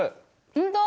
本当！？